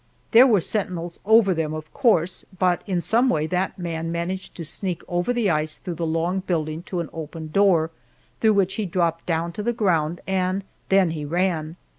There were sentinels over them, of course, but in some way that man managed to sneak over the ice through the long building to an open door, through which he dropped down to the ground, and then he ran.